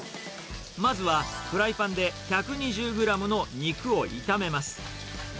まずは、フライパンで１２０グラムの肉を炒めます。